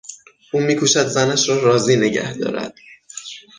او میکوشد زنش را راضی نگه دارد.